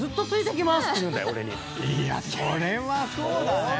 いやそれはそうだね。